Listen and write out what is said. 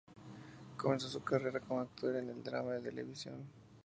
Comenzó su carrera como actor en el drama de televisión.